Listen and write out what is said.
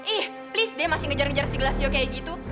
ih please deh masih ngejar ngejar segelas jauh kayak gitu